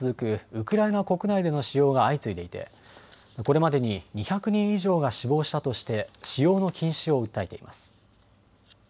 ウクライナ国内での使用が相次いでいて、これまでに２００人以上が死亡したとして使用の禁止を訴えています。